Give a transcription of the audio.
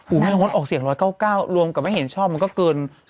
อุ้มงดออกเสียง๑๙๙รวมกับไม่เห็นชอบมันก็เกิน๒๐เกี่ยวกัน